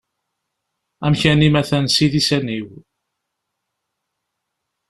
Amkan-im atan s idisan-iw.